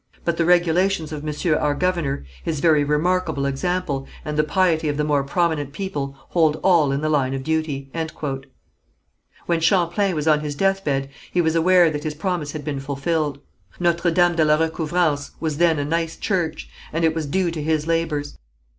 But the regulations of Monsieur our governor, his very remarkable example, and the piety of the more prominent people, hold all in the line of duty." When Champlain was on his deathbed he was aware that his promise had been fulfilled. Notre Dame de la Recouvrance was then a nice church, and it was due to his labours.